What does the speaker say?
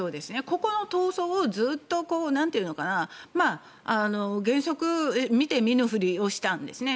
ここの闘争をずっと、原則見て見ぬふりをしたんですね。